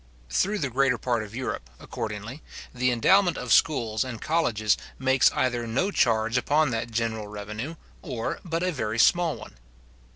Through the greater part of Europe, accordingly, the endowment of schools and colleges makes either no charge upon that general revenue, or but a very small one.